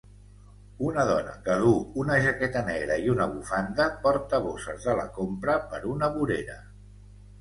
Una dona que duu una jaqueta negra i una bufanda porta bosses de la compra per una vorera.